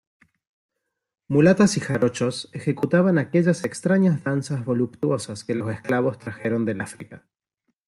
mulatas y jarochos ejecutaban aquellas extrañas danzas voluptuosas que los esclavos trajeron del África